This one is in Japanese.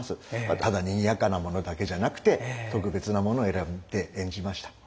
ただにぎやかなものだけじゃなくて特別なもの選んで演じました。